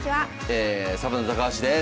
サバンナ高橋です。